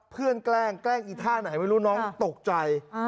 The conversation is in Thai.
เพื่อนแกล้งแกล้งอีกท่าว่าไหนไม่รู้น้องตกใจ